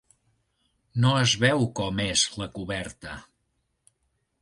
No es veu com és la coberta.